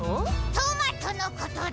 トマトのことだ。